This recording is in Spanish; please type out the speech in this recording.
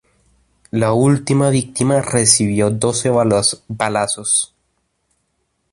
La última víctima recibió doce balazos.